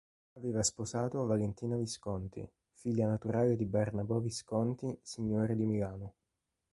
Aveva sposato Valentina Visconti, figlia naturale di Barnabò Visconti signore di Milano.